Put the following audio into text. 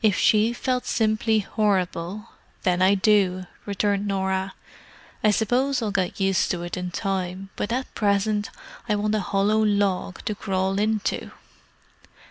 "If she felt simply horrible, then I do!" returned Norah. "I suppose I'll get used to it in time, but at present I want a hollow log to crawl into!"